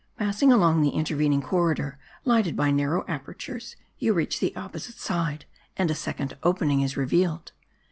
Passing along the intervening cor ridor, lighted by narrow apertures, you reach the opposite side, and a second opening is revealed.